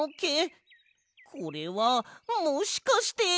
これはもしかして。